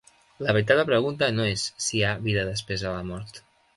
La veritable pregunta no és si hi ha vida després de la mort.